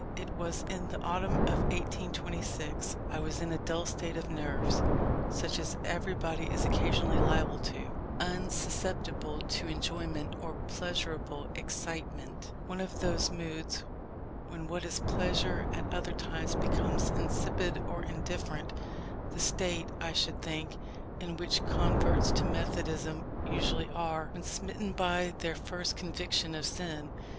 It was in the autumn of 1826. I was in a dull state of nerves, such as everybody is occasionally liable to; unsusceptible to enjoyment or pleasurable excitement; one of those moods when what is pleasure at other times, becomes insipid or indifferent; the state, I should think, in which converts to Methodism usually are, when smitten by their first "conviction of sin."